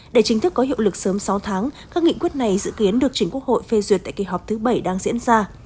để chính thức có hiệu lực sớm sáu tháng các nghị quyết này dự kiến được chính quốc hội phê duyệt tại kỳ họp thứ bảy đang diễn ra